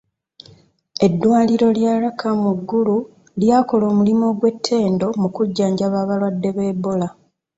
Eddwaliro lya Lacor mu Gulu lyakola omulimu ogw'ettendo mu kujjanjaba abalwadde ba Ebola.